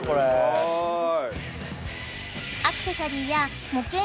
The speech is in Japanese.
すごい。